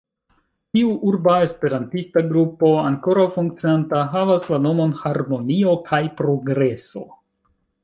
Tiu urba esperantista grupo, ankoraŭ funkcianta, havas la nomon "harmonio kaj progreso".